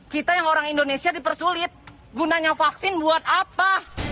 kita yang orang indonesia dipersulit gunanya vaksin buat apa